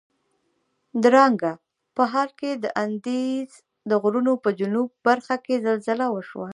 درانګه په کال کې د اندیز د غرونو په جنوب برخه کې زلزله وشوه.